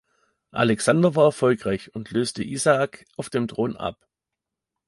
Alexander war erfolgreich und löste Isaak auf dem Thron ab.